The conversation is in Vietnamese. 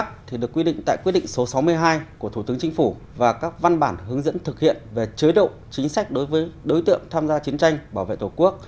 chính phủ và các văn bản hướng dẫn thực hiện về chế độ chính sách đối với đối tượng tham gia chiến tranh bảo vệ tổ quốc